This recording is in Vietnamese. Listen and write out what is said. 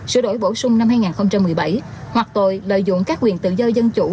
sửa đổi bổ sung năm hai nghìn một mươi bảy hoặc tội lợi dụng các quyền tự do dân chủ